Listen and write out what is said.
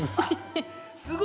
すごい！